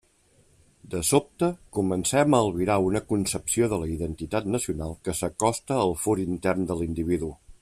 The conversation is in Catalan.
De sobte, comencem a albirar una concepció de la identitat nacional que s'acosta al fur intern de l'individu.